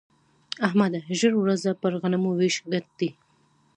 احمده! ژر ورځه پر غنمو وېش ګډ دی.